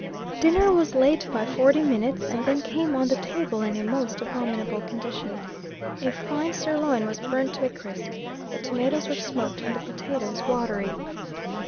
Dinner was late by forty minutes, and then came on the table in a most abominable condition. A fine sirloin was burnt to a crisp. The tomatoes were smoked, and the potatoes watery.